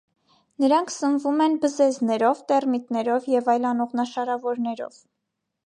Նրանք սնվում են բզեզներով, տերմիտներով և այլ անողնաշարավորներով։